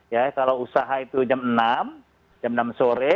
ya kalau usaha itu jam enam jam enam sore